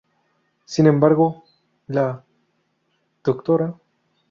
Sin embargo, la Dra.